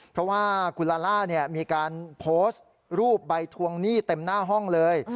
เพราะว่าคุณลาล่ามีการโพสต์รูปใบทวงหนี้เต็มหน้าห้องเลย